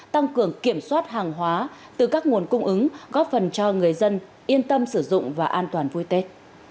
tăng cường kiểm soát hàng hóa từ các nguồn cung ứng góp phần cho người dân yên tâm sử dụng và an toàn vui tết